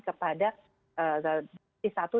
kepada dosis satu